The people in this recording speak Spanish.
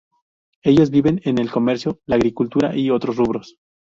Ellos viven en el comercio, la agricultura y otros rubros.